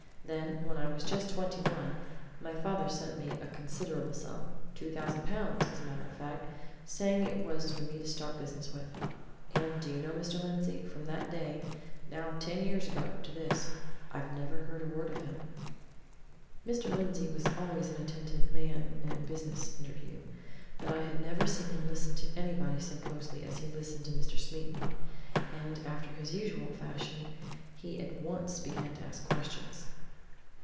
Then, when I was just twenty one, my father sent me a considerable sum two thousand pounds, as a matter of fact saying it was for me to start business with. And, do you know, Mr. Lindsey, from that day now ten years ago to this, I've never heard a word of him." Mr. Lindsey was always an attentive man in a business interview, but I had never seen him listen to anybody so closely as he listened to Mr. Smeaton. And after his usual fashion, he at once began to ask questions.